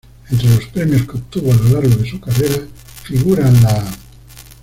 Entre los premios que obtuvo a lo largo de su carrera figuran la